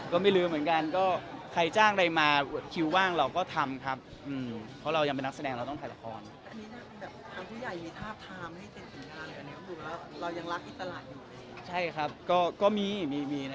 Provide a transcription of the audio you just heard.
ก็ไม่ลืมเหมือนกัน